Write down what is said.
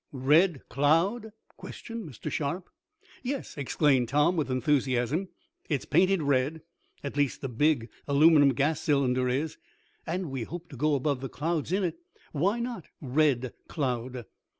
"Red Cloud?" questioned Mr. Sharp. "Yes!" exclaimed Tom, with enthusiasm. "It's painted red at least the big, aluminum gas container is and we hope to go above the clouds in it. Why not Red Cloud?"